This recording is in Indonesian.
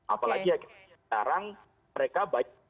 apalagi sekarang mereka baik